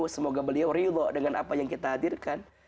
semoga beliau ridho dengan apa yang kita hadirkan